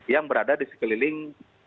yang berada di sekeliling